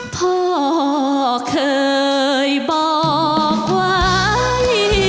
พ่อเคยบอกไว้